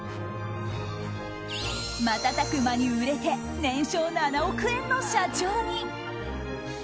瞬く間に売れて年商７億円の社長に。